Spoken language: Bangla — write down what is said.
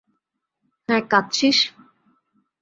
হ্যাঁ, কাদছিস।